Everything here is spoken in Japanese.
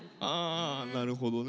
なるほどね。